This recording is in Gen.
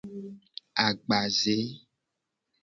Agbaze.